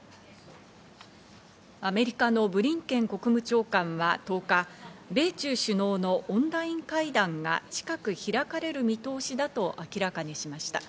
アメリカのブリンケン国務長官は１０日、米中首脳のオンライン会談が近く開かれる見通しだと明らかにしました。